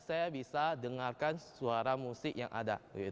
saya bisa dengarkan suara musik yang ada